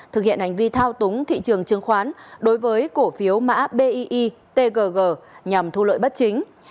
thực hiện hành vi thao túng thị trường chứng khoán đối với cổ phiếu mã bi tgg nhằm thu lợi bất chính